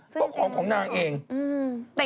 ก็ของนางเองแล้วซึ่งจริงแล้ว